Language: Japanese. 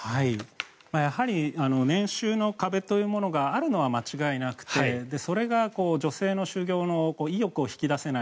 やはり年収の壁というものがあるのは間違いなくてそれが女性の就業の意欲を引き出せない。